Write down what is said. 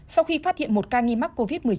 sau khi phát hiện một ca nghi mắc covid một mươi chín